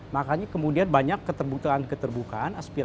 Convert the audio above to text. makanya kemudian banyak keterbukaan keterbukaan